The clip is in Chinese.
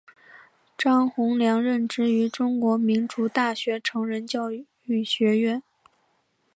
张宏良任职于中央民族大学成人教育学院。